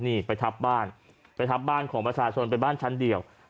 นี่ไปทับบ้านไปทับบ้านของประชาชนเป็นบ้านชั้นเดียว